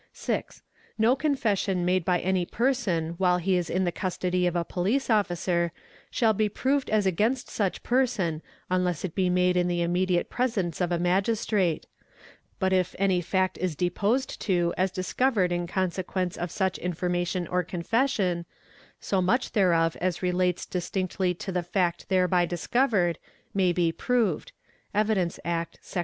No confession made by any person while he is in the custody of a police officer, shall be proved as against such person unless it be made in the immediate presence of a Magistrate; but if any fact is deposed to as discovered in consequence of such information or cenfession, so much thereof as relates distinctly to the fact thereby discovered, may be proved (Evidence Act, Secs.